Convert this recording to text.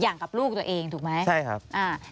อย่างกับลูกตัวเองถูกไหมใช่ครับอ่า